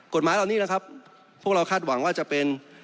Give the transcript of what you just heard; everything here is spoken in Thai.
กฎหมายเหล่านี้นะครับพวกเราคาดหวังว่าจะเป็น